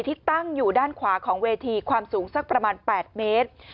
ที่ตั้งอยู่ด้านขวาของเวทีความสูงสักประมาณ๘เมตร